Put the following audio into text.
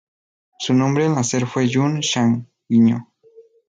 Su nombre al nacer fue Yun Sang-gyu.